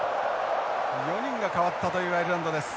４人が代わったというアイルランドです。